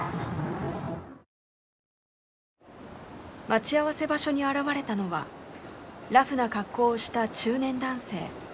待ち合わせ場所に現れたのはラフな格好をした中年男性。